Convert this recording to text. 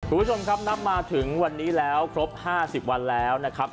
ผู้ชมครับนำมาถึงวันนี้แล้วครบห้าสิบวันแล้วนะครับ